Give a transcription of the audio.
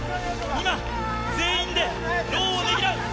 今、全員で労をねぎらう。